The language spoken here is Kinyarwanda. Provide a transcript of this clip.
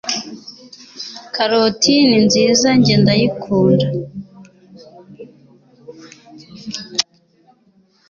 Karoti ninziza njye ndayikunda